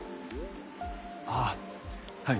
ああはい。